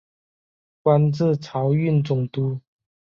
官至漕运总督。